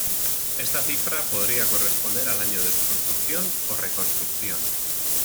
Esta cifra podría corresponder al año de su construcción o reconstrucción.